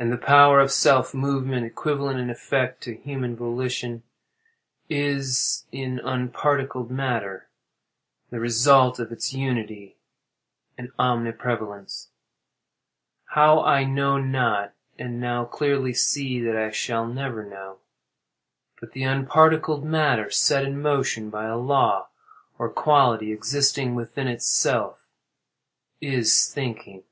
And the power of self movement (equivalent in effect to human volition) is, in the unparticled matter, the result of its unity and omniprevalence; how I know not, and now clearly see that I shall never know. But the unparticled matter, set in motion by a law, or quality, existing within itself, is thinking.